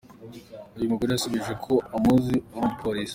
..Uyu mugore yasubije ko amuzi ‘uri umupolisi.”